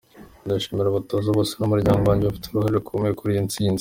Ndanashimira abatoza bose n’umuryango wanjye bafite uruhare rukomeye kuri iyi ntsinzi.